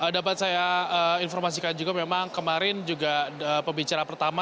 dapat saya informasikan juga memang kemarin juga pembicara pertama